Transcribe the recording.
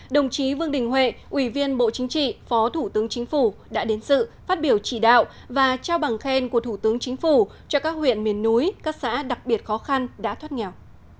đồng chí vương đình huệ ủy viên bộ chính trị phó thủ tướng chính phủ đã đến sự phát biểu chỉ đạo và trao bằng khen của thủ tướng chính phủ cho các huyện miền núi các xã đặc biệt khó khăn đã thoát nghèo